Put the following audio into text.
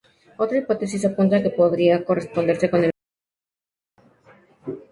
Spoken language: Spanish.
Otras hipótesis apuntan a que podría corresponderse con el río Guadiaro.